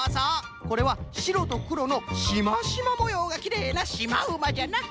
これはしろとくろのシマシマもようがきれいなシマウマじゃな。